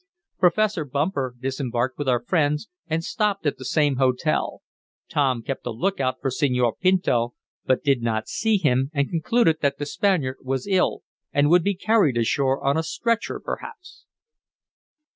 Professor Bumper disembarked with our friends, and stopped at the same hotel. Tom kept a lookout for Senor Pinto, but did not see him, and concluded that the Spaniard was ill, and would be carried ashore on a stretcher, perhaps.